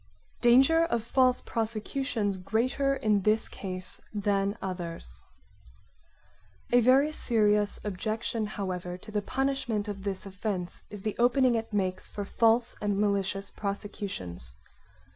Danger of false prosecutions greater in this case than others A very serious objection, however, to the punishment of this offence is the opening it makes for false and malicious prosecutions.